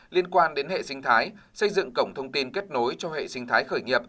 liên quan đến hệ sinh thái xây dựng cổng thông tin kết nối cho hệ sinh thái khởi nghiệp